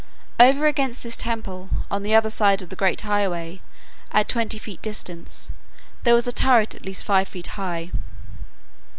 Over against this temple, on the other side of the great highway, at twenty feet distance, there was a turret at least five feet high.